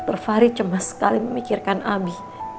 pas tidur terfari cemas sekali memikirkan abi